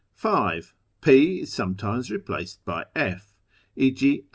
(5) P is sometimes replaced hj F : e.g.